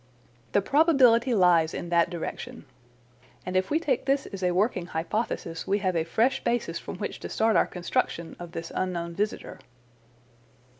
"The probability lies in that direction. And if we take this as a working hypothesis we have a fresh basis from which to start our construction of this unknown visitor."